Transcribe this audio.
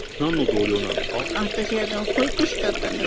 私保育士だったんです。